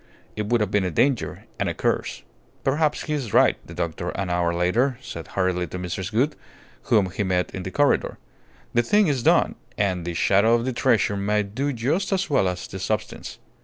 It would have been a danger and a curse." "Perhaps he is right," the doctor, an hour later, said hurriedly to Mrs. Gould, whom he met in the corridor. "The thing is done, and the shadow of the treasure may do just as well as the substance.